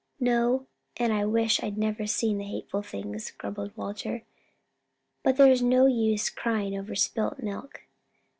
"No, and I wish I'd never seen the hateful things," grumbled Walter, "but there's no use crying over spilt milk."